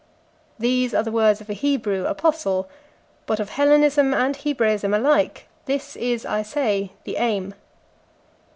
These are the words of a Hebrew apostle, but of Hellenism and Hebraism alike this is, I say, the aim.